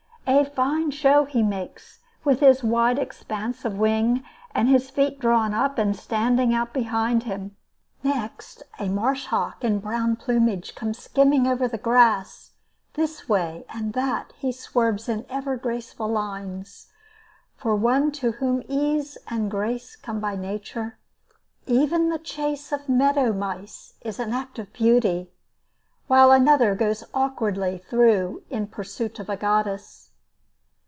A fine show he makes, with his wide expanse of wing, and his feet drawn up and standing out behind him. Next a marsh hawk in brown plumage comes skimming over the grass. This way and that he swerves in ever graceful lines. For one to whom ease and grace come by nature, even the chase of meadow mice is an act of beauty, while another goes awkwardly though in pursuit of a goddess.